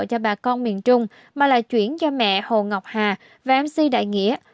cho bà con miền trung mà lại chuyển cho mẹ hồ ngọc hà và mc đại nghĩa